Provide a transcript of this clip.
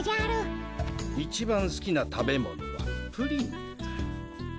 一番すきな食べ物はプリンと。